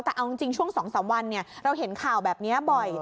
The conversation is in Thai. แต่เอาจริงช่วง๒๓วันเราเห็นข่าวแบบนี้บ่อย